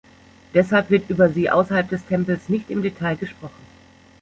Deshalb wird über sie außerhalb des Tempels nicht im Detail gesprochen.